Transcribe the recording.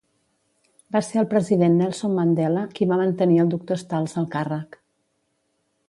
Va ser el president Nelson Mandela qui va mantenir el Dr. Stals al càrrec.